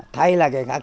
thay lại cái khác